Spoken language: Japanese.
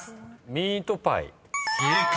「ミートパイ」［正解！